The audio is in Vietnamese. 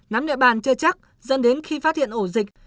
nắm địa bàn chưa chắc dẫn đến khi phát hiện ổ dịch